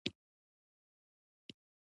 لمریز ځواک د افغانستان د اجتماعي جوړښت برخه ده.